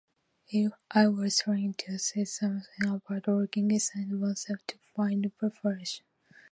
I was trying to say something about looking inside oneself to find perfection.